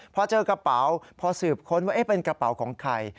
พอเจอกระเป๋าพอสืบค้นว่าเป็นกระเป๋าของใคร